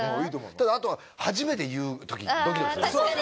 ただあと初めて言う時ドキドキするね。